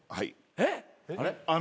えっ！？